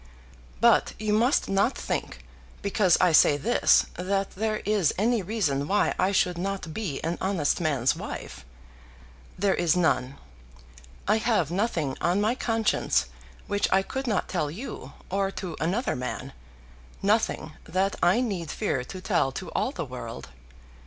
But you must not think, because I say this, that there is any reason why I should not be an honest man's wife. There is none. I have nothing on my conscience which I could not tell you, or to another man; nothing that I need fear to tell to all the world.